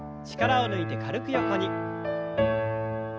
力を抜いて軽く横に。